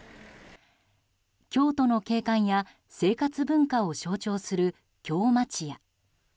京都の景観や生活文化を象徴する京町屋。